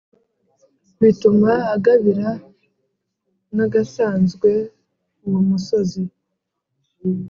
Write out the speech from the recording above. bituma agabira nagasanzwe uwo musozi